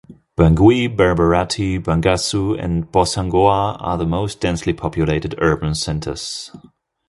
Bangui, Berberati, Bangassou, and Bossangoa are the most densely populated urban centers.